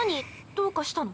どうかしたの？